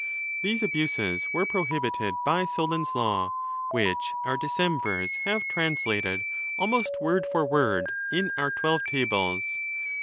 These abuses were prohibited by Solon's: law, which our Decemvirs have translated almost word for word in our Twelve Tables.